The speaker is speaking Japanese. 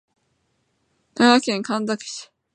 佐賀県神埼市